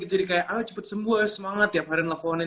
jadi kayak ah cepet sembuh semangat tiap hari nelfonin